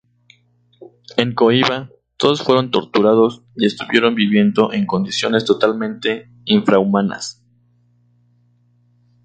En Coiba, todos fueron torturados y estuvieron viviendo en condiciones totalmente infrahumanas.